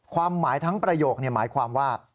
ความหมายทั้งประโยคหมายความว่า